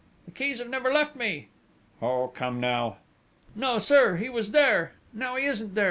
"The keys have never left me!" "Oh, come now!" "No, sir. He was there ... now he isn't there!